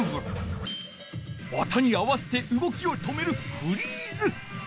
音に合わせてうごきを止める「フリーズ」。